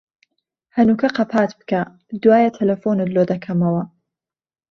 هەنووکە قەپات بکە، دوایێ تەلەفۆنت لۆ دەکەمەوە.